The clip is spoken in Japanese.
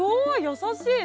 優しい！